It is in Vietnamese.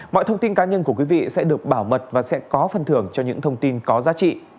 mọi thông tin cá nhân của quý vị sẽ được bảo mật và sẽ có phân thưởng cho những thông tin có giá trị